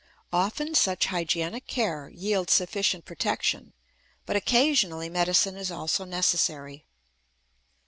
Often such hygienic care yields sufficient protection; but occasionally medicine is also necessary.